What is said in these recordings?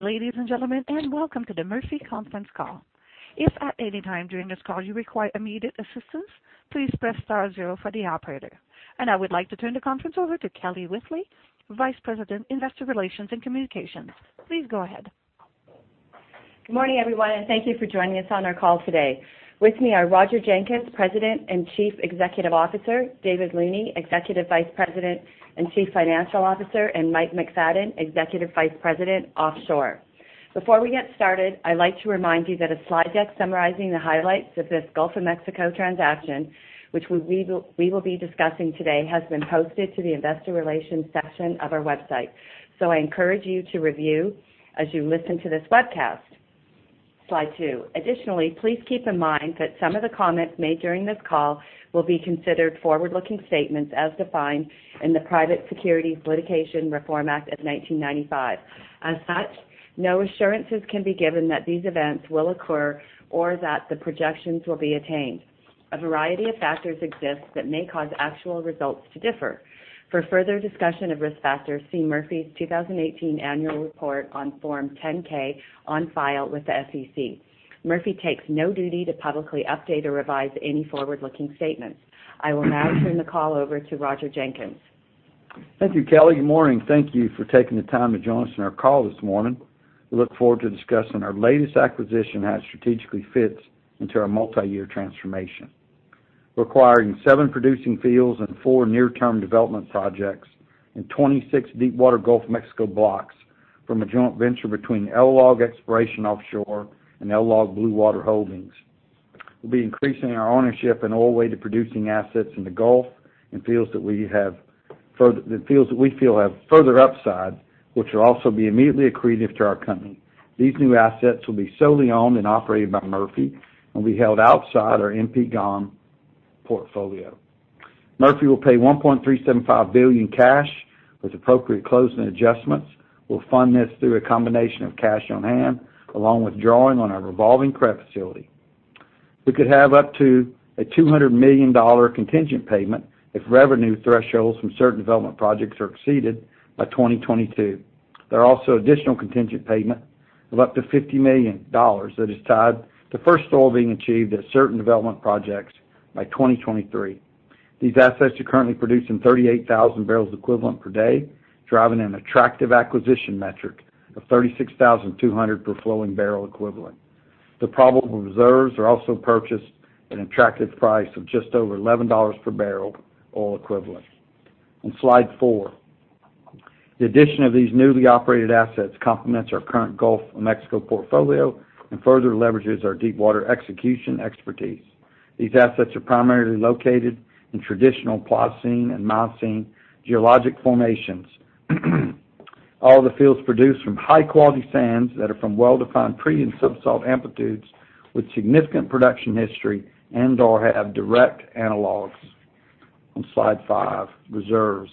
Ladies and gentlemen, welcome to the Murphy conference call. If at any time during this call you require immediate assistance, please press star zero for the operator. I would like to turn the conference over to Kelly Whitley, Vice President, Investor Relations and Communications. Please go ahead. Good morning, everyone, thank you for joining us on our call today. With me are Roger Jenkins, President and Chief Executive Officer, David Looney, Executive Vice President and Chief Financial Officer, and Mike McFadden, Executive Vice President, Offshore. Before we get started, I'd like to remind you that a slide deck summarizing the highlights of this Gulf of Mexico transaction, which we will be discussing today, has been posted to the investor relations section of our website. I encourage you to review as you listen to this webcast. Slide two. Additionally, please keep in mind that some of the comments made during this call will be considered forward-looking statements as defined in the Private Securities Litigation Reform Act of 1995. As such, no assurances can be given that these events will occur or that the projections will be attained. A variety of factors exist that may cause actual results to differ. For further discussion of risk factors, see Murphy's 2018 annual report on Form 10-K on file with the SEC. Murphy takes no duty to publicly update or revise any forward-looking statements. I will now turn the call over to Roger Jenkins. Thank you, Kelly. Good morning. Thank you for taking the time to join us on our call this morning. We look forward to discussing our latest acquisition and how it strategically fits into our multi-year transformation. Requiring seven producing fields and four near-term development projects in 26 deepwater Gulf of Mexico blocks from a joint venture between LLOG Exploration Offshore and LLOG Bluewater Holdings. We'll be increasing our ownership in oil-related producing assets in the Gulf, in fields that we feel have further upside, which will also be immediately accretive to our company. These new assets will be solely owned and operated by Murphy and will be held outside our MP GOM portfolio. Murphy will pay $1.375 billion cash with appropriate closing adjustments. We'll fund this through a combination of cash on hand, along with drawing on our revolving credit facility. We could have up to a $200 million contingent payment if revenue thresholds from certain development projects are exceeded by 2022. There are also additional contingent payment of up to $50 million that is tied to first oil being achieved at certain development projects by 2023. These assets are currently producing 38,000 barrels equivalent per day, driving an attractive acquisition metric of 36,200 per flowing barrel equivalent. The probable reserves are also purchased at an attractive price of just over $11 per barrel oil equivalent. On slide four. The addition of these newly operated assets complements our current Gulf of Mexico portfolio and further leverages our deepwater execution expertise. These assets are primarily located in traditional Pliocene and Miocene geologic formations. All the fields produced from high-quality sands that are from well-defined pre and subsalt amplitudes with significant production history and/or have direct analogs. On slide five, reserves.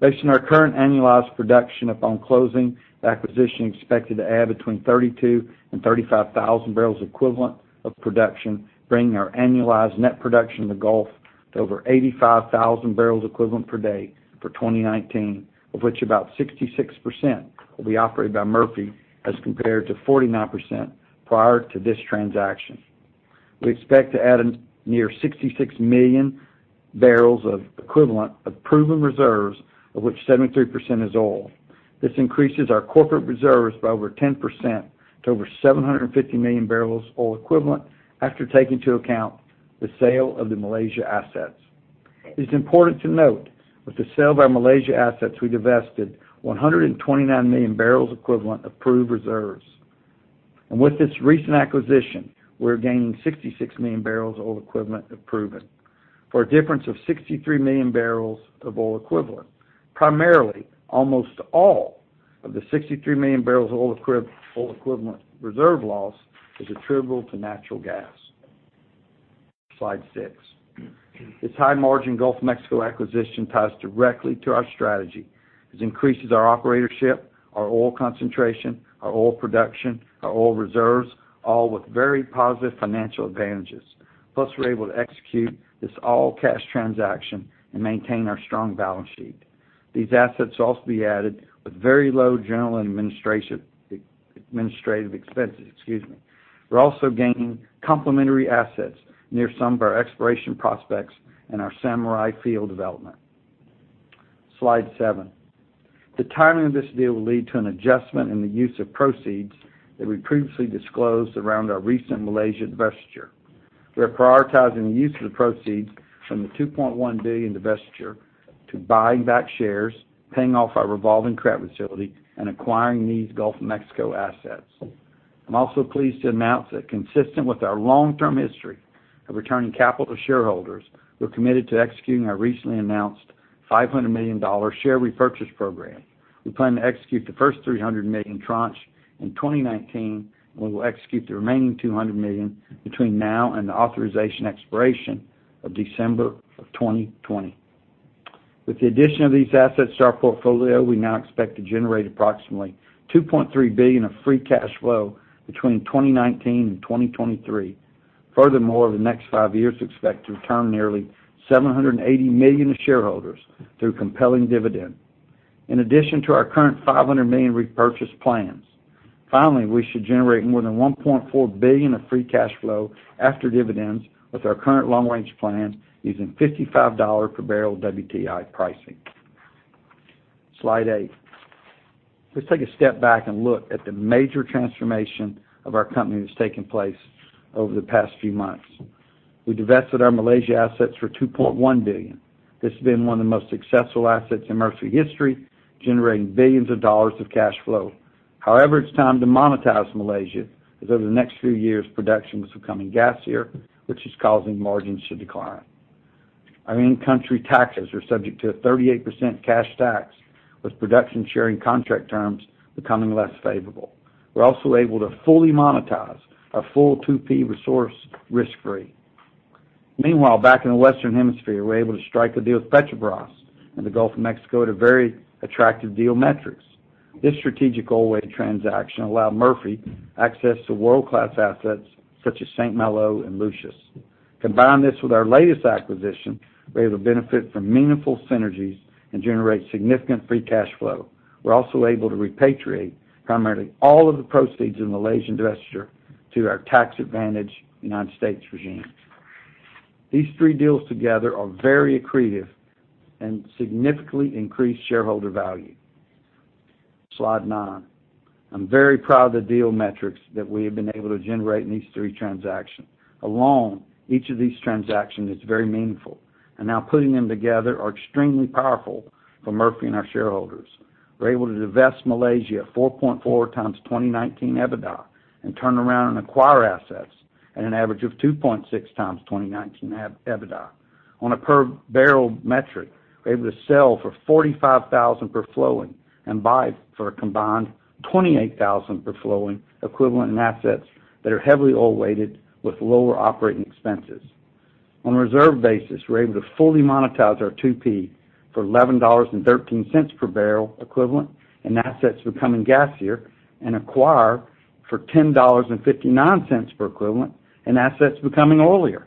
Based on our current annualized production upon closing, the acquisition is expected to add between 32,000 and 35,000 barrels equivalent of production, bringing our annualized net production in the Gulf to over 85,000 barrels equivalent per day for 2019, of which about 66% will be operated by Murphy as compared to 49% prior to this transaction. We expect to add a near 66 million barrels of equivalent of proven reserves, of which 73% is oil. This increases our corporate reserves by over 10% to over 750 million barrels oil equivalent after taking into account the sale of the Malaysia assets. It's important to note, with the sale of our Malaysia assets, we divested 129 million barrels equivalent of proved reserves. With this recent acquisition, we're gaining 66 million barrels oil equivalent of proven for a difference of 63 million barrels of oil equivalent. Primarily, almost all of the 63 million barrels of oil equivalent reserve loss is attributable to natural gas. Slide six. This high-margin Gulf of Mexico acquisition ties directly to our strategy. This increases our operatorship, our oil concentration, our oil production, our oil reserves, all with very positive financial advantages. We're able to execute this all-cash transaction and maintain our strong balance sheet. These assets will also be added with very low general administrative expenses, excuse me. We're also gaining complementary assets near some of our exploration prospects and our Samurai field development. Slide seven. The timing of this deal will lead to an adjustment in the use of proceeds that we previously disclosed around our recent Malaysia divestiture. We are prioritizing the use of the proceeds from the $2.1 billion divestiture to buying back shares, paying off our revolving credit facility, and acquiring these Gulf of Mexico assets. I'm also pleased to announce that consistent with our long-term history of returning capital to shareholders, we're committed to executing our recently announced $500 million share repurchase program. We plan to execute the first $300 million tranche in 2019. We will execute the remaining $200 million between now and the authorization expiration of December of 2020. With the addition of these assets to our portfolio, we now expect to generate approximately $2.3 billion of free cash flow between 2019 and 2023. Furthermore, over the next five years, we expect to return nearly $780 million to shareholders through compelling dividend, in addition to our current $500 million repurchase plans. We should generate more than $1.4 billion of free cash flow after dividends with our current long-range plan using $55 per barrel WTI pricing. Slide eight. Let's take a step back and look at the major transformation of our company that's taken place over the past few months. We divested our Malaysia assets for $2.1 billion. This has been one of the most successful assets in Murphy history, generating billions of dollars of cash flow. However, it's time to monetize Malaysia, as over the next few years, production was becoming gassier, which is causing margins to decline. Our in-country taxes are subject to a 38% cash tax, with production sharing contract terms becoming less favorable. We're also able to fully monetize our full 2P resource risk-free. Meanwhile, back in the Western Hemisphere, we're able to strike a deal with Petrobras in the Gulf of Mexico at very attractive deal metrics. This strategic oil-weighted transaction allowed Murphy access to world-class assets such as St. Malo and Lucius. Combine this with our latest acquisition, we're able to benefit from meaningful synergies and generate significant free cash flow. We're also able to repatriate primarily all of the proceeds in Malaysian divestiture to our tax-advantaged U.S. regime. These three deals together are very accretive and significantly increase shareholder value. Slide nine. I'm very proud of the deal metrics that we have been able to generate in these three transactions. Alone, each of these transactions is very meaningful, and now putting them together are extremely powerful for Murphy and our shareholders. We're able to divest Malaysia at 4.4 times 2019 EBITDA and turn around and acquire assets at an average of 2.6 times 2019 EBITDA. On a per-barrel metric, we're able to sell for $45,000 per flowing and buy for a combined $28,000 per flowing equivalent in assets that are heavily oil-weighted with lower operating expenses. On a reserve basis, we're able to fully monetize our 2P for $11.13 per barrel equivalent in assets becoming gassier and acquire for $10.59 per equivalent in assets becoming oilier.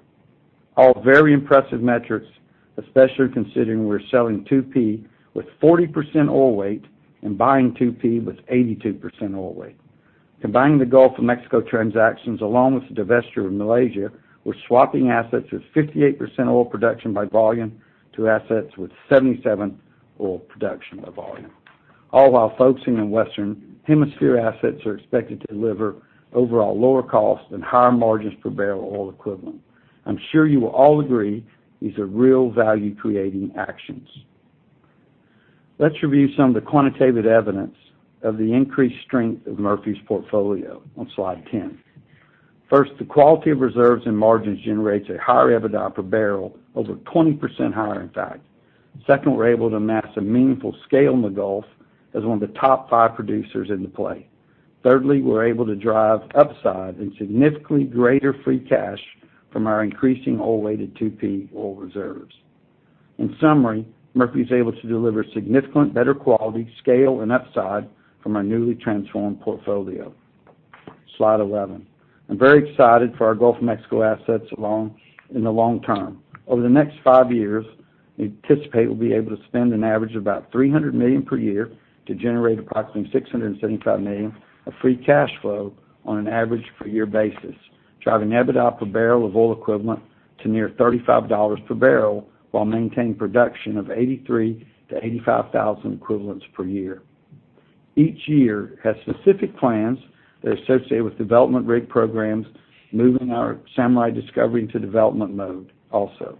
All very impressive metrics, especially considering we're selling 2P with 40% oil weight and buying 2P with 82% oil weight. Combining the Gulf of Mexico transactions along with the divestiture of Malaysia, we're swapping assets with 58% oil production by volume to assets with 77% oil production by volume. All while focusing on Western Hemisphere assets are expected to deliver overall lower cost and higher margins per barrel oil equivalent. I'm sure you will all agree these are real value-creating actions. Let's review some of the quantitative evidence of the increased strength of Murphy's portfolio on slide 10. First, the quality of reserves and margins generates a higher EBITDA per barrel, over 20% higher, in fact. Second, we're able to amass a meaningful scale in the Gulf as one of the top five producers in the play. Thirdly, we're able to drive upside and significantly greater free cash from our increasing oil-weighted 2P oil reserves. In summary, Murphy is able to deliver significant better quality, scale, and upside from our newly transformed portfolio. Slide 11. I'm very excited for our Gulf of Mexico assets in the long term. Over the next five years, we anticipate we'll be able to spend an average of about $300 million per year to generate approximately $675 million of free cash flow on an average per year basis, driving EBITDA per barrel of oil equivalent to near $35 per barrel while maintaining production of 83,000 to 85,000 equivalents per year. Each year has specific plans that are associated with development rig programs, moving our Samurai discovery to development mode also.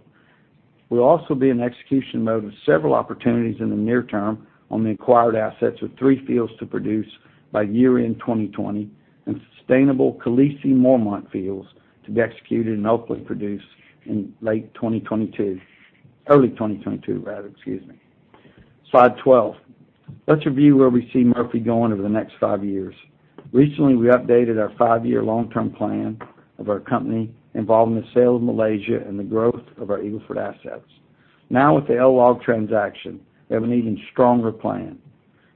We'll also be in execution mode with several opportunities in the near term on the acquired assets with three fields to produce by year-end 2020, and sustainable Khaleesi and Mormont fields to be executed and hopefully produced in early 2022. Slide 12. Let's review where we see Murphy going over the next five years. Recently, we updated our five-year long-term plan of our company involving the sale of Malaysia and the growth of our Eagle Ford assets. With the LLOG transaction, we have an even stronger plan.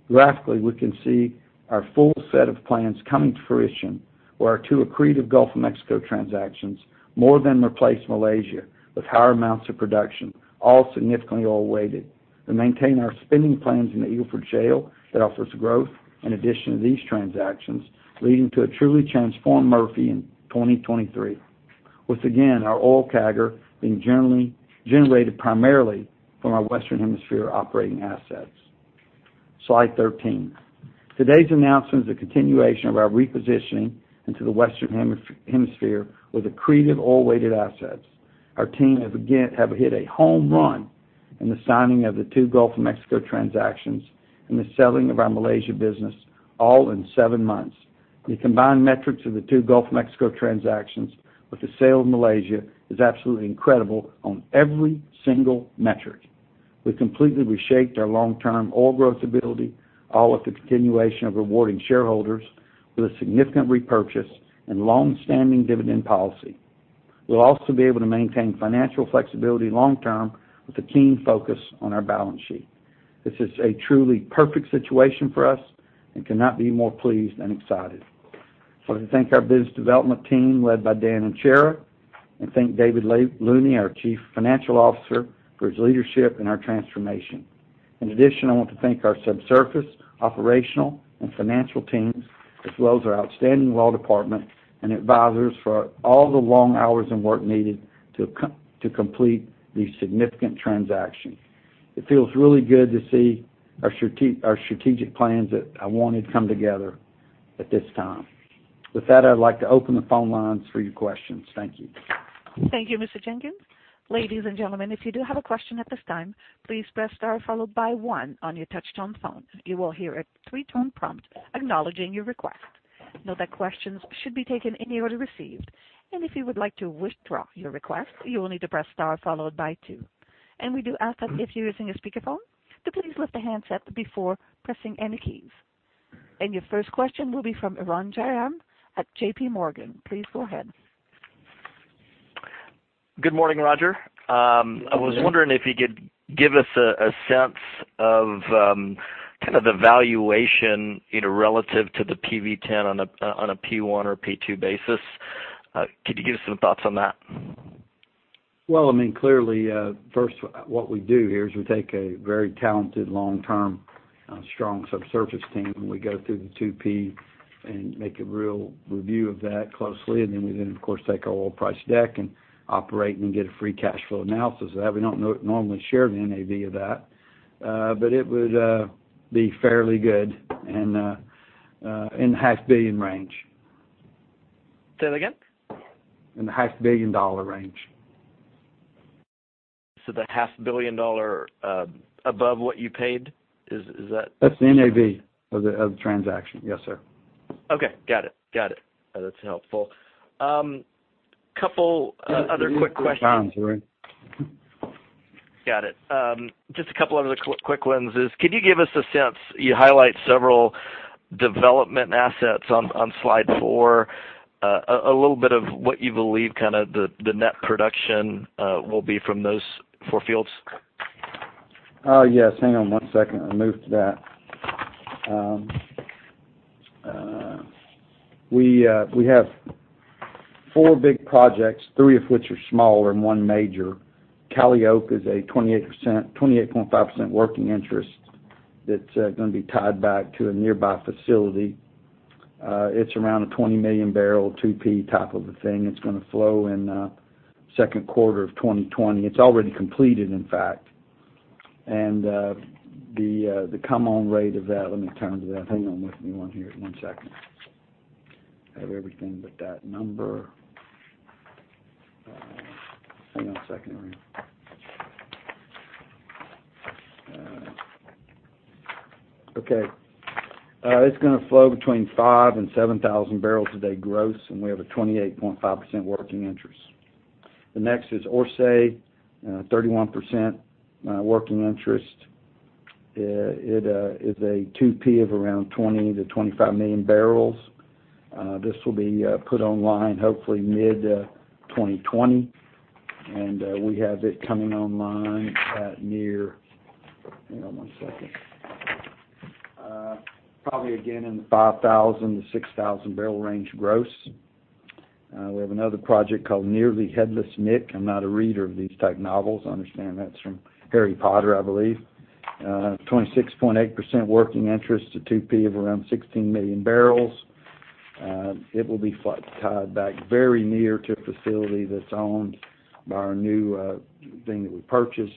Graphically, we can see our full set of plans coming to fruition, where our two accretive Gulf of Mexico transactions more than replace Malaysia with higher amounts of production, all significantly oil-weighted, to maintain our spending plans in the Eagle Ford Shale that offers growth in addition to these transactions, leading to a truly transformed Murphy in 2023. With again, our oil CAGR being generated primarily from our Western Hemisphere operating assets. Slide 13. Today's announcement is a continuation of our repositioning into the Western Hemisphere with accretive oil-weighted assets. Our team have hit a home run in the signing of the two Gulf of Mexico transactions and the selling of our Malaysia business all in seven months. The combined metrics of the two Gulf of Mexico transactions with the sale of Malaysia is absolutely incredible on every single metric. We completely reshaped our long-term oil growth ability, all with the continuation of rewarding shareholders with a significant repurchase and long-standing dividend policy. We'll also be able to maintain financial flexibility long term with a keen focus on our balance sheet. This is a truly perfect situation for us and could not be more pleased and excited. I thank our business development team, led by Dan Nocera, and thank David Looney, our Chief Financial Officer, for his leadership in our transformation. In addition, I want to thank our subsurface, operational, and financial teams, as well as our outstanding law department and advisors for all the long hours and work needed to complete the significant transaction. It feels really good to see our strategic plans that I wanted come together at this time. With that, I'd like to open the phone lines for your questions. Thank you. Thank you, Mr. Jenkins. Ladies and gentlemen, if you do have a question at this time, please press star followed by one on your touch-tone phone. You will hear a three-tone prompt acknowledging your request. Note that questions should be taken in the order received, if you would like to withdraw your request, you will need to press star followed by two. We do ask that if you're using a speakerphone, to please lift the handset before pressing any keys. Your first question will be from Arun Jayaram at J.P. Morgan. Please go ahead. Good morning, Roger. Good morning. I was wondering if you could give us a sense of the valuation relative to the PV-10 on a P1 or P2 basis. Could you give us some thoughts on that? Well, clearly, first what we do here is we take a very talented long-term, strong subsurface team, and we go through the 2P and make a real review of that closely. Then we then, of course, take our oil price deck and operate and get a free cash flow analysis of that. We don't normally share the NAV of that. It would be fairly good and in the half billion range. Say that again? In the half billion dollar range. That half billion dollar above what you paid? That's the NAV of the transaction. Yes, sir. Okay. Got it. That's helpful. Couple other quick questions. You can use both lines, right? Got it. Just a couple other quick ones is, can you give us a sense, you highlight several development assets on slide four, a little bit of what you believe the net production will be from those four fields? Yes. Hang on one second. I'll move to that. We have four big projects, three of which are small and one major. Calliope is a 28.5% working interest that's going to be tied back to a nearby facility. It's around a 20-million-barrel, 2P type of a thing. It's going to flow in the second quarter of 2020. It's already completed, in fact. The come-on rate of that, let me turn to that. Hang on with me one here, one second. I have everything but that number. Hang on a second. Okay. It's going to flow between 5,000 and 7,000 barrels a day gross, and we have a 28.5% working interest. The next is Ourse, 31% working interest. It is a 2P of around 20 to 25 million barrels. This will be put online hopefully mid-2020. We have it coming online at near, hang on one second. Probably again in the 5,000 to 6,000-barrel range gross. We have another project called Nearly Headless Nick. I'm not a reader of these type novels. I understand that's from Harry Potter, I believe. 26.8% working interest, a 2P of around 16 million barrels. It will be tied back very near to a facility that's owned by our new thing that we purchased,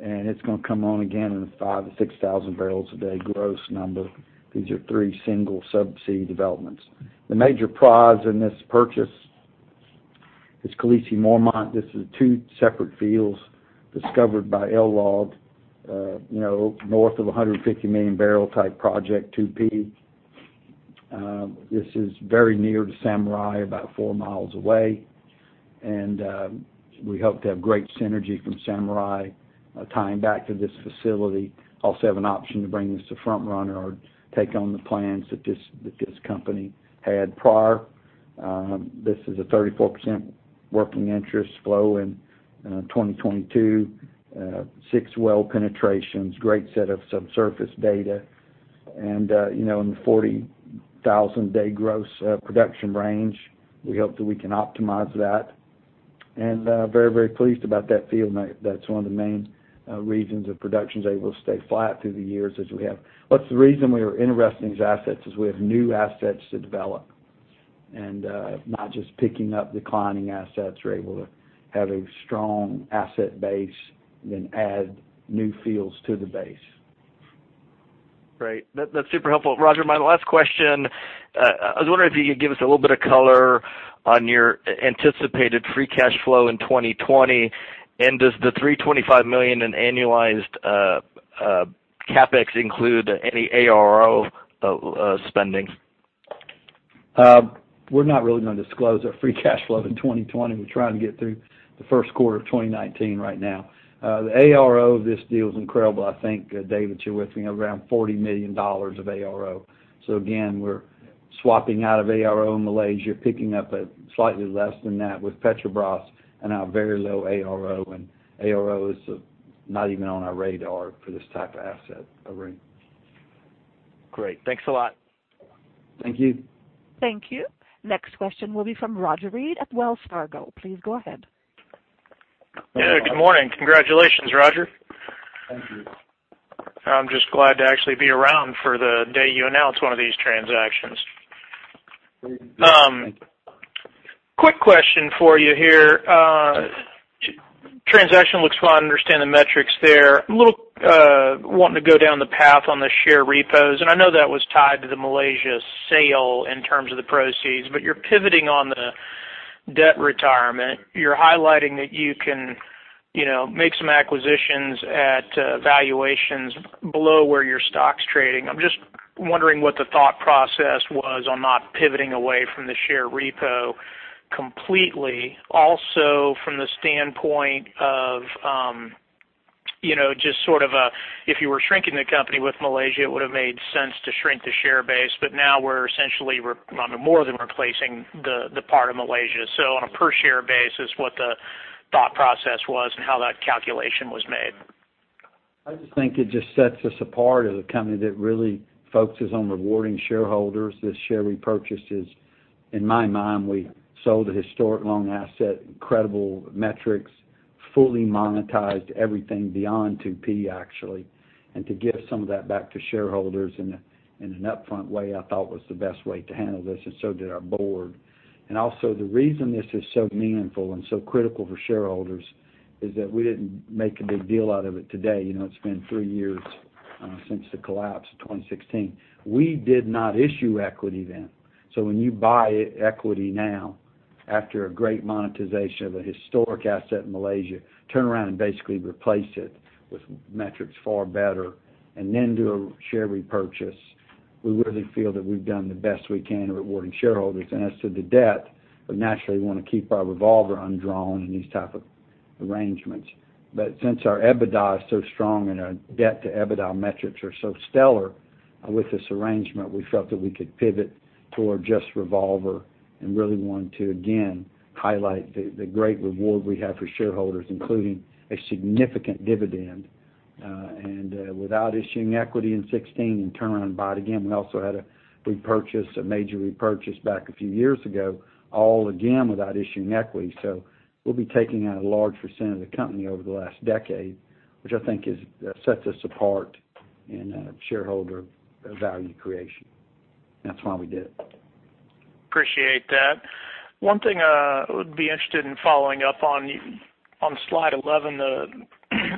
and it's going to come on again in the 5,000 to 6,000 barrels a day gross number. These are three single subsea developments. The major prize in this purchase is Khaleesi/Mormont. This is two separate fields discovered by LLOG, north of 150-million-barrel type project 2P. This is very near to Samurai, about four miles away. We hope to have great synergy from Samurai tying back to this facility. Have an option to bring this to Front Runner or take on the plans that this company had prior. This is a 34% working interest flow in 2022. Six well penetrations, great set of subsurface data, and in the 40,000-day gross production range. We hope that we can optimize that. Very, very pleased about that field. That's one of the main reasons that production's able to stay flat through the years as we have. That's the reason we were interested in these assets is we have new assets to develop. Not just picking up declining assets. We're able to have a strong asset base, then add new fields to the base. Great. That's super helpful. Roger, my last question. I was wondering if you could give us a little bit of color on your anticipated free cash flow in 2020. Does the $325 million in annualized CapEx include any ARO spending? We're not really going to disclose our free cash flow in 2020. We're trying to get through the first quarter of 2019 right now. The ARO of this deal is incredible. I think, David, you're with me, around $40 million of ARO. Again, we're swapping out of ARO in Malaysia, picking up at slightly less than that with Petrobras and our very low ARO. ARO is not even on our radar for this type of asset, Arun. Great. Thanks a lot. Thank you. Thank you. Next question will be from Roger Read at Wells Fargo. Please go ahead. Yeah, good morning. Congratulations, Roger. Thank you. I'm just glad to actually be around for the day you announce one of these transactions. Thank you. Quick question for you here. Transaction looks fine, understand the metrics there. Wanting to go down the path on the share repos, and I know that was tied to the Malaysia sale in terms of the proceeds, but you're pivoting on the debt retirement. You're highlighting that you can make some acquisitions at valuations below where your stock's trading. I'm just wondering what the thought process was on not pivoting away from the share repo completely. Also, from the standpoint of, if you were shrinking the company with Malaysia, it would've made sense to shrink the share base. Now we're essentially, more than replacing the part of Malaysia. On a per share basis, what the thought process was and how that calculation was made. I just think it just sets us apart as a company that really focuses on rewarding shareholders. This share repurchase is, in my mind, we sold a historic long asset, incredible metrics, fully monetized everything beyond 2P, actually. To give some of that back to shareholders in an upfront way, I thought was the best way to handle this, and so did our board. The reason this is so meaningful and so critical for shareholders is that we didn't make a big deal out of it today. It's been three years since the collapse of 2016. We did not issue equity then. When you buy equity now, after a great monetization of a historic asset in Malaysia, turn around and basically replace it with metrics far better, and then do a share repurchase. We really feel that we've done the best we can at rewarding shareholders. As to the debt, we naturally want to keep our revolver undrawn in these type of arrangements. Since our EBITDA is so strong and our debt to EBITDA metrics are so stellar with this arrangement, we felt that we could pivot toward just revolver and really wanted to, again, highlight the great reward we have for shareholders, including a significant dividend. Without issuing equity in 2016, and turn around and buy it again. We also had a major repurchase back a few years ago, all again, without issuing equity. We'll be taking out a large percent of the company over the last decade, which I think sets us apart in shareholder value creation. That's why we did it. Appreciate that. One thing I would be interested in following up on slide 11, the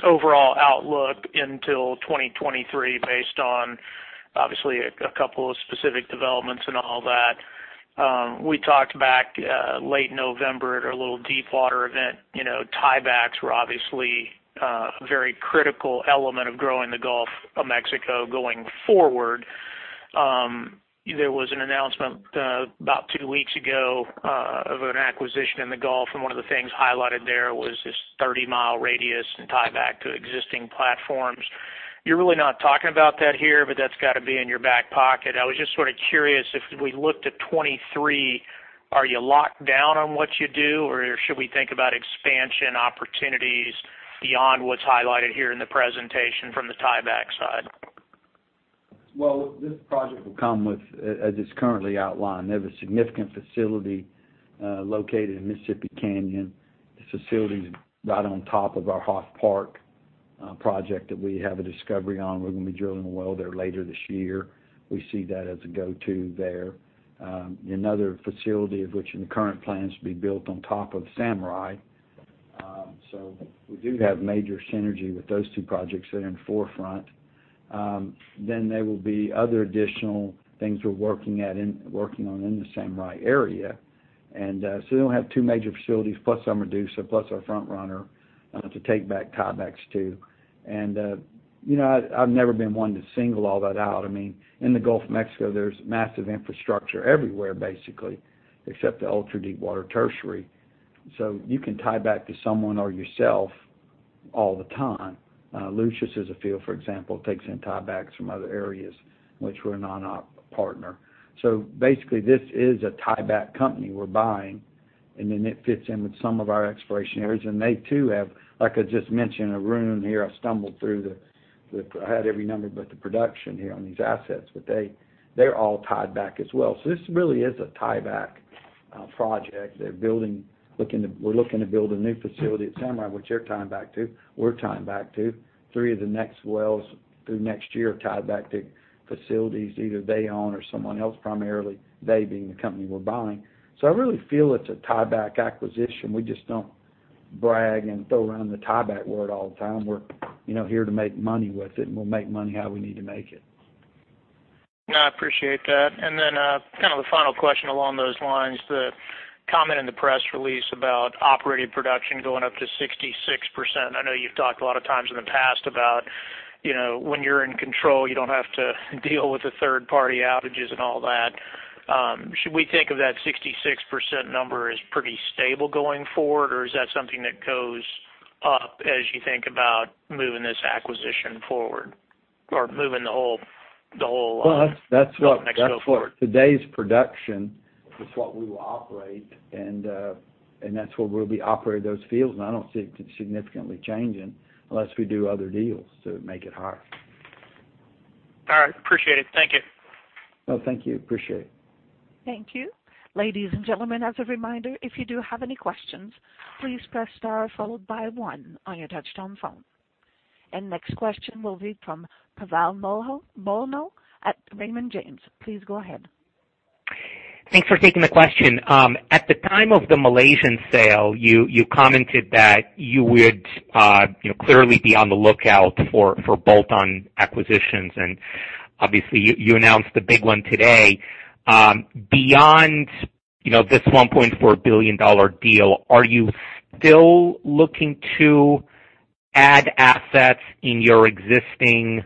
overall outlook until 2023 based on, obviously, a couple of specific developments and all that. We talked back late November at our little deepwater event. Tiebacks were obviously a very critical element of growing the Gulf of Mexico going forward. There was an announcement about two weeks ago of an acquisition in the Gulf, and one of the things highlighted there was this 30-mile radius and tieback to existing platforms. You're really not talking about that here, but that's got to be in your back pocket. I was just sort of curious, if we looked at 2023, are you locked down on what you do, or should we think about expansion opportunities beyond what's highlighted here in the presentation from the tieback side? This project will come with, as it's currently outlined, they have a significant facility located in Mississippi Canyon. This facility's right on top of our Hoffe Park project that we have a discovery on. We're going to be drilling a well there later this year. We see that as a go-to there. Another facility of which in the current plans will be built on top of Samurai. We do have major synergy with those two projects that are in forefront. There will be other additional things we're working on in the Samurai area. You'll have two major facilities plus some Medusa, plus our Front Runner to take back tiebacks to. I've never been one to single all that out. In the Gulf of Mexico, there's massive infrastructure everywhere, basically, except the ultra-deepwater Tertiary. You can tie back to someone or yourself all the time. Lucius is a field, for example, takes in tiebacks from other areas, which we're a non-op partner. Basically, this is a tieback company we're buying, then it fits in with some of our exploration areas. They too have, like I just mentioned, Arun, I had every number but the production here on these assets, but they're all tied back as well. This really is a tieback project. We're looking to build a new facility at Samurai, which they're tying back to. We're tying back to three of the next wells through next year are tied back to facilities either they own or someone else, primarily they being the company we're buying. I really feel it's a tieback acquisition. We just don't brag and throw around the tieback word all the time. We're here to make money with it, and we'll make money how we need to make it. No, I appreciate that. Then, kind of the final question along those lines, the comment in the press release about operating production going up to 66%. I know you've talked a lot of times in the past about when you're in control, you don't have to deal with the third-party outages and all that. Should we think of that 66% number as pretty stable going forward, or is that something that goes up as you think about moving this acquisition forward, or moving the whole- Well, that's what- North America forward today's production is what we will operate, and that's where we'll be operating those fields. I don't see it significantly changing unless we do other deals to make it higher. All right. Appreciate it. Thank you. No, thank you. Appreciate it. Thank you. Ladies and gentlemen, as a reminder, if you do have any questions, please press star followed by one on your touchtone phone. Next question will be from Pavel Molchanov at Raymond James. Please go ahead. Thanks for taking the question. At the time of the Malaysian sale, you commented that you would clearly be on the lookout for bolt-on acquisitions, and obviously, you announced the big one today. Beyond this $1.4 billion deal, are you still looking to add assets in your existing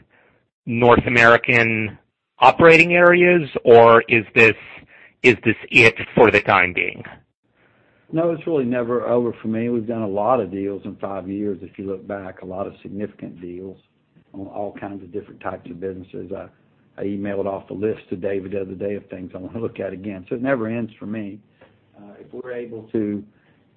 North American operating areas, or is this it for the time being? No, it's really never over for me. We've done a lot of deals in 5 years, if you look back, a lot of significant deals on all kinds of different types of businesses. I emailed off a list to David the other day of things I want to look at again. It never ends for me. If we're able to,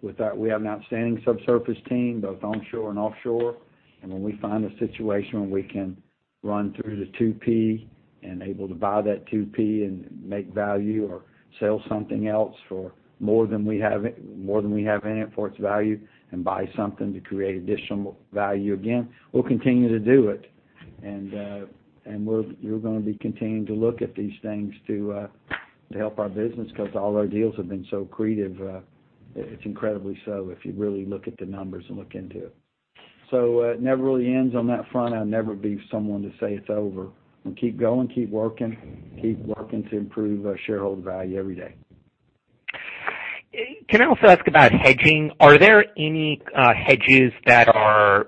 we have an outstanding subsurface team, both onshore and offshore. When we find a situation when we can run through the 2P and able to buy that 2P and make value or sell something else for more than we have in it for its value and buy something to create additional value again, we'll continue to do it. We're going to be continuing to look at these things to help our business because all our deals have been so accretive. It's incredibly so if you really look at the numbers and look into it. It never really ends on that front. I'll never be someone to say it's over. We'll keep going, keep working to improve shareholder value every day. Can I also ask about hedging? Are there any hedges that are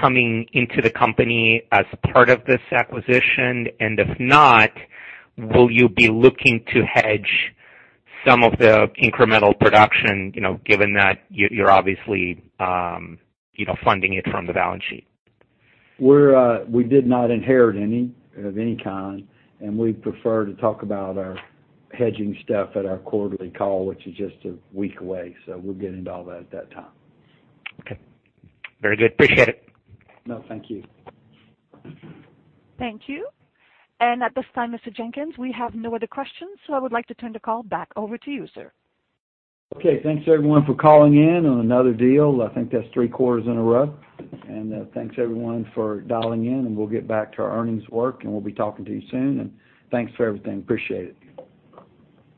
coming into the company as part of this acquisition? If not, will you be looking to hedge some of the incremental production, given that you're obviously funding it from the balance sheet? We did not inherit any of any kind. We prefer to talk about our hedging stuff at our quarterly call, which is just one week away. We'll get into all that at that time. Okay. Very good. Appreciate it. No, thank you. Thank you. At this time, Mr. Jenkins, we have no other questions. I would like to turn the call back over to you, sir. Okay. Thanks, everyone, for calling in on another deal. I think that's three quarters in a row. Thanks, everyone, for dialing in, and we'll get back to our earnings work, and we'll be talking to you soon. Thanks for everything. Appreciate it.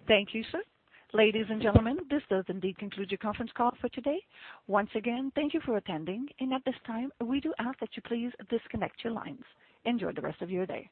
Thank you, sir. Ladies and gentlemen, this does indeed conclude your conference call for today. Once again, thank you for attending, and at this time, we do ask that you please disconnect your lines. Enjoy the rest of your day.